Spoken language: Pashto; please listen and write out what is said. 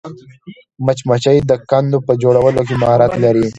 مچمچۍ د کندو په جوړولو کې مهارت لري